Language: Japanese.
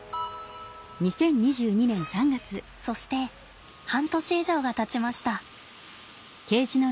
そして半年以上がたちました。